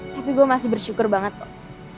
tapi gue masih bersyukur banget kok